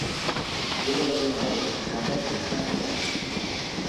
Beverley Rae remporte le simple dames.